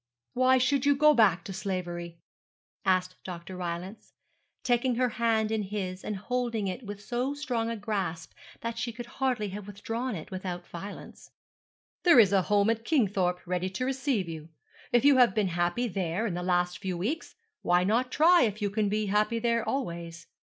'Why should you go back to slavery?' asked Dr. Rylance, taking her hand in his and holding it with so strong a grasp that she could hardly have withdrawn it without violence. 'There is a home at Kingthorpe ready to receive you. If you have been happy there in the last few weeks, why not try if you can be happy there always?